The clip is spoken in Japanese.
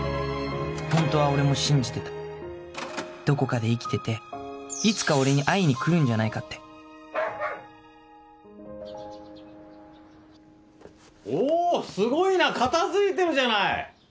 ホントは俺も信じてたどこかで生きてていつか俺に会いに来るんじゃないかっておすごいな片付いてるじゃない。